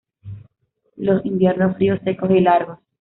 Los inviernos fríos, secos y largos.